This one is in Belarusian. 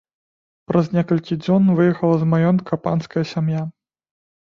А праз некалькі дзён выехала з маёнтка панская сям'я.